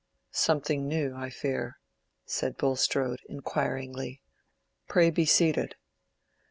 "Something new, I fear," said Bulstrode, inquiringly. "Pray be seated."